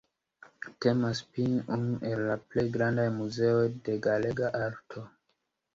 Temas pri unu el la plej grandaj muzeoj de galega arto.